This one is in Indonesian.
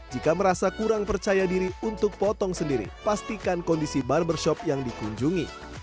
jika merasa kurang percaya diri untuk potong sendiri pastikan kondisi barbershop yang dikunjungi